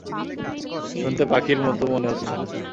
শুনতে পাখির মতো মনে হচ্ছে না।